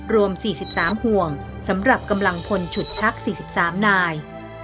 รวมสี่สิบสามห่วงสำหรับกำลังพลฉุดชักสี่สิบสามนาย